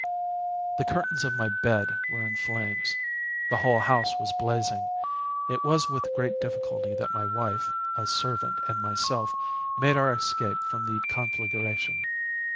The curtains of my bed were in flames. The whole house was blazing. It was with great difficulty that my wife, a servant, and myself, made our escape from the conflagration.